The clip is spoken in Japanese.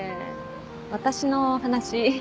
私の話。